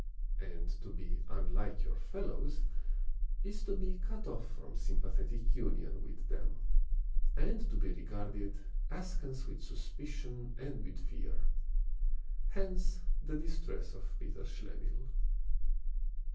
And to be unlike your fellows is to be cut off from sympathetic union with them, and to be regarded askance with suspicion and with fear. Hence the distress of Peter Schlemihl.